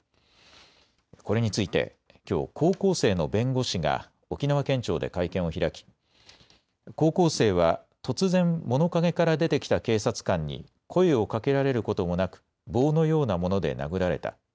これについて、きょう高校生の弁護士が沖縄県庁で会見を開き、高校生は突然物陰から出てきた警察官に声をかけられることもなく棒のようなもので殴られた。